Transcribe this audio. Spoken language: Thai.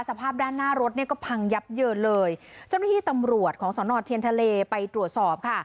สภาพด้านหน้ารถเนี่ยก็พังยับเยินเลยเจ้าหน้าที่ตำรวจของสนเทียนทะเลไปตรวจสอบค่ะ